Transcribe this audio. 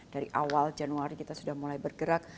dari awal januari kita sudah mulai bergerak